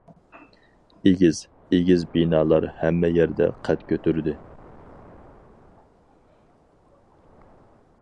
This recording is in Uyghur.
ئېگىز- ئېگىز بىنالار ھەممە يەردە قەد كۆتۈردى.